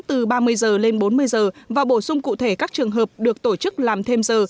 từ ba mươi giờ lên bốn mươi giờ và bổ sung cụ thể các trường hợp được tổ chức làm thêm giờ